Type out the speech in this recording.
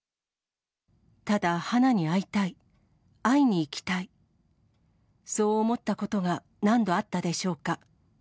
ただ、花に会いたい、会いに行きたい、そう思ったことが何度あったでしょうか。